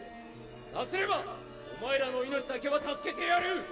さすればおまえらの命だけは助けてやる。